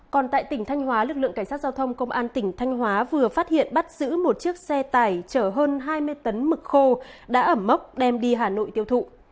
còn tại tỉnh thanh hóa lực lượng cảnh sát giao thông công an tỉnh thanh hóa vừa phát hiện bắt giữ một chiếc xe tải chở hơn hai mươi tấn mực khô đã ẩm mốc đem đi hà nội tiêu thụ